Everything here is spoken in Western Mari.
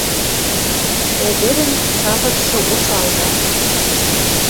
Ӹдӹрӹн савыцшы ошалга.